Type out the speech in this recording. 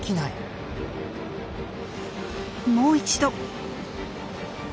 もう一度。